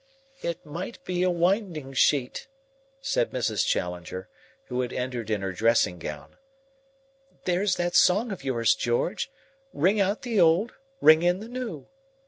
"It might be a winding sheet," said Mrs. Challenger, who had entered in her dressing gown. "There's that song of yours, George, 'Ring out the old, ring in the new.'